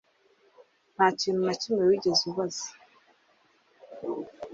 Nta kintu na kimwe wigeze ubaza?